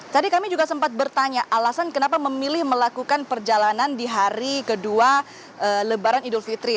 tadi kami juga sempat bertanya alasan kenapa memilih melakukan perjalanan di hari kedua lebaran idul fitri